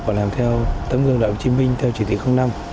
và làm theo tuyến